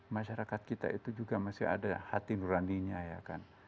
masyarakat kita itu juga masih ada hati nuraninya ya kan